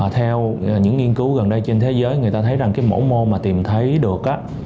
theo những nghiên cứu gần đây trên thế giới người ta thấy rằng cái mẫu môn mà tìm thấy được